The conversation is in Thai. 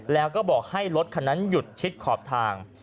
แล้วก็บอกให้รถคันนั้นหยุดชิดขอบทาง